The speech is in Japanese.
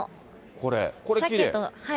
これ、きれい。